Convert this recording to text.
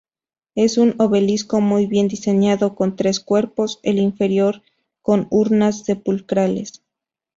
Es un obelisco muy bien diseñado, con tres cuerpos, el inferior con urnas sepulcrales.